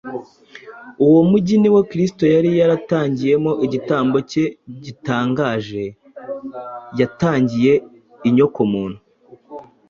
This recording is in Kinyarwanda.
Uwo mujyi ni wo Kristo yari yaratangiyemo igitambo cye gitangaje yatangiye inyokomuntu.